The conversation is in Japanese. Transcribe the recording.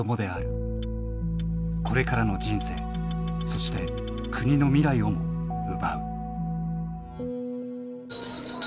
これからの人生そして国の未来をも奪う。